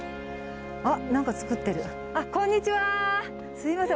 すみません